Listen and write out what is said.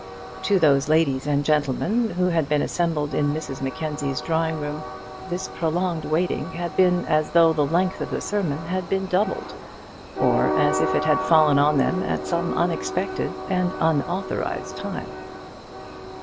To those ladies and gentlemen who had been assembled in Mrs Mackenzie's drawing room this prolonged waiting had been as though the length of the sermon had been doubled, or as if it had fallen on them at some unexpected and unauthorised time.